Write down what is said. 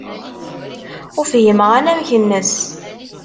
Ur fhimeɣ anamek-nnes.